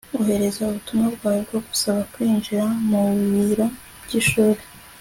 ohereza ubutumwa bwawe bwo gusaba kwinjira mu biro by'ishuri